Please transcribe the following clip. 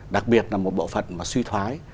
đặc biệt là một bộ phận mà suy thoái